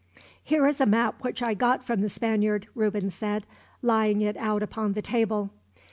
"Here is a map which I got from the Spaniard," Reuben said, laying it out upon the table.